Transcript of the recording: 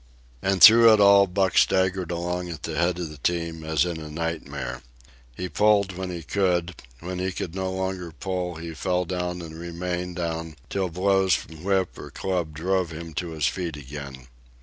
And through it all Buck staggered along at the head of the team as in a nightmare. He pulled when he could; when he could no longer pull, he fell down and remained down till blows from whip or club drove him to his feet again.